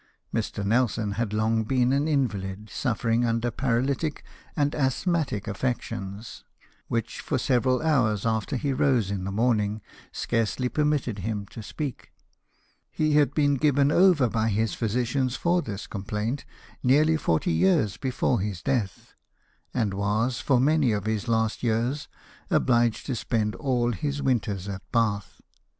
Mr. Nelson had long been an invalid, suffering under paralytic and asthmatic affections which, for several hours after he rose in the morning, scarcely permitted him to speak. He had been given over by his physicians for this complaint nearly forty years before his death ; and was, for many of his last years, obliged to spend all his winters at Bath.